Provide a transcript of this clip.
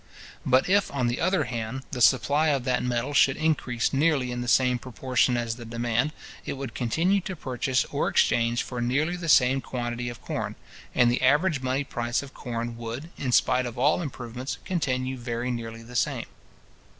But if, on the other hand, the supply of that metal should increase nearly in the same proportion as the demand, it would continue to purchase or exchange for nearly the same quantity of corn; and the average money price of corn would, in spite of all improvements. continue very nearly the same.